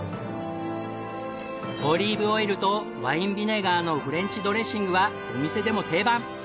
オリーブオイルとワインビネガーのフレンチドレッシングはお店でも定番。